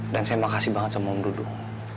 dan saya makasih banget sama om dudung